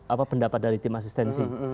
apa pendapat dari tim asistensi